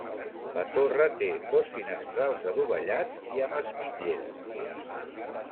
La torre té dos finestrals adovellats i amb espitlleres.